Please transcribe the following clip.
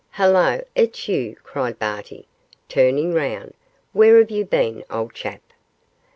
'Hullo! it's you!' cried Barty, turning round. 'Where have you been, old chap?